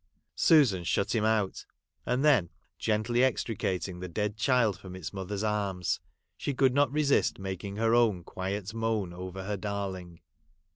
Susan shut him out ; and then gently ex tricating the dead child from its mother's arms, she could not resist making her own quiet moan over her darling.